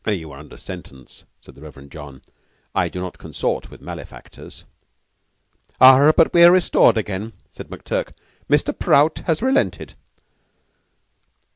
"You were under sentence," said the Reverend John. "I do not consort with malefactors." "Ah, but we're restored again," said McTurk. "Mr. Prout has relented."